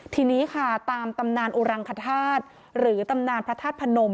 ทีนี้ค่ะตามตำนานอุรังคธาตุหรือตำนานพระธาตุพนม